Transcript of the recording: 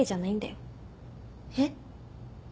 えっ？